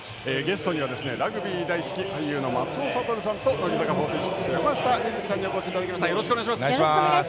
ゲストにはラグビー大好き俳優の松尾諭さんと乃木坂４６山下美月さんにお越しいただきました。